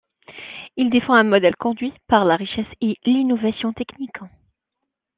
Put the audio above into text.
Il défend un modèle conduit par la richesse et l'innovation technique.